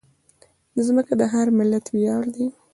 مځکه د هر ملت ویاړ ده.